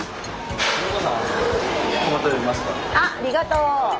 あっありがとう！